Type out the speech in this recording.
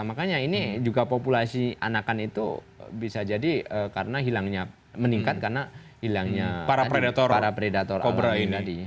makanya ini juga populasi anakan itu bisa jadi karena hilangnya meningkat karena hilangnya para predator awal ini tadi